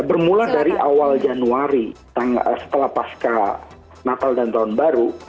bermula dari awal januari setelah pasca natal dan tahun baru